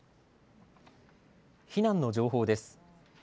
避難の情報です。